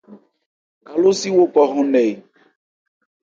Kalósi wo khɔ hɔn nkɛ e ?